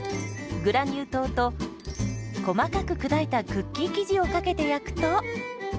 グラニュー糖と細かく砕いたクッキー生地をかけて焼くと。